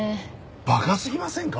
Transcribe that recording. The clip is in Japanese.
馬鹿すぎませんか？